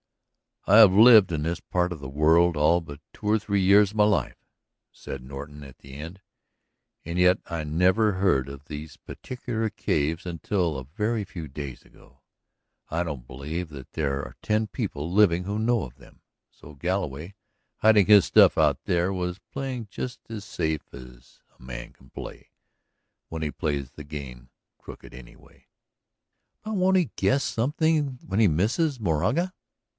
"I have lived in this part of the world all but two or three years of my life," said Norton at the end, "and yet I never heard of these particular caves until a very few days ago. I don't believe that there are ten people living who know of them; so Galloway, hiding his stuff out there was playing just as safe as a man can play when he plays the game crooked, anyway." "But won't he guess something when he misses Moraga?"